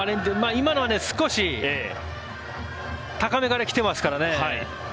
今のは少し高めから来てますからね。